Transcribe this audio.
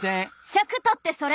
尺とってそれ？